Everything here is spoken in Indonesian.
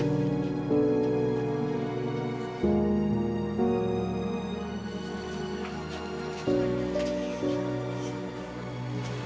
papa inget kan